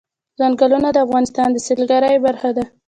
ځنګلونه د افغانستان د سیلګرۍ برخه ده.